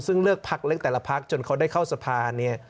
ซึ่งเลือกพักเล็กแต่ละพักจนเขาได้เข้าสภาเนี่ย